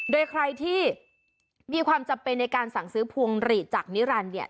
โดยใครที่มีความจำเป็นในการสั่งซื้อพวงหลีดจากนิรันดิ์เนี่ย